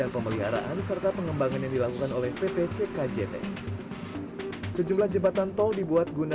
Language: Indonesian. pemeliharaan serta pengembangan yang dilakukan oleh pt ckjt sejumlah jembatan tol dibuat guna